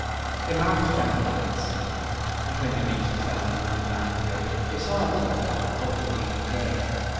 They marched down the hill singing, and when they reached the Fountain on the Grand Parade they saw another crowd holding a meeting there.